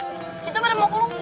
kita pada mau keluar